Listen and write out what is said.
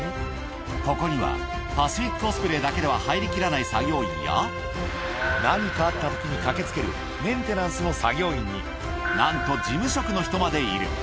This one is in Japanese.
ここには、パシフィック・オスプレイだけでは入りきらない作業員や、何かあったときに駆けつけるメンテナンスの作業員に、なんと事務職の人までいる。